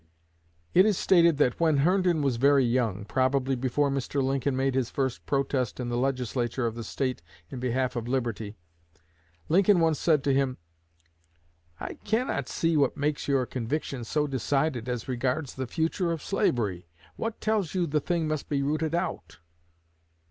It is stated that "when Herndon was very young probably before Mr. Lincoln made his first protest in the Legislature of the State in behalf of liberty Lincoln once said to him: 'I cannot see what makes your convictions so decided as regards the future of slavery. What tells you the thing must be rooted out?'